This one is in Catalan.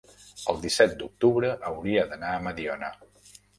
el disset d'octubre hauria d'anar a Mediona.